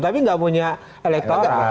tapi tidak punya elektoral